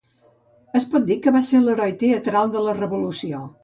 Es pot dir que va ser l'heroi teatral de la Revolució.